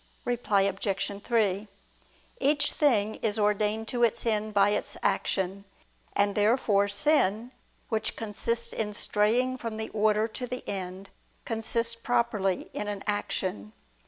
Reply Obj. 3: Each thing is ordained to its end by its action: and therefore sin, which consists in straying from the order to the end, consists properly in an action.